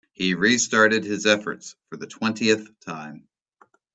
He restarted his efforts for the twentieth time.